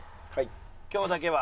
今日だけは。